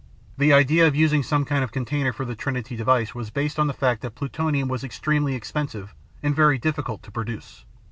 The idea of using some kind of container for the Trinity device was based on the fact that plutonium was extremely expensive and very difficult to produce.